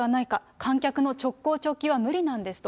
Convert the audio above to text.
観客の直行直帰は無理なんですと。